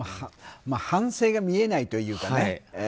反省が見えないというかね。